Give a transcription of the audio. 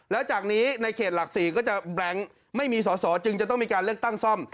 แล้วจากนี้ในเขตหลัก๔ก็จะแบล็งไม่มีสอสอจึงจะต้องมีการเลือกตั้งซ่อม